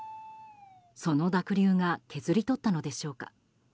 その濁流が削り取ったのでしょうか。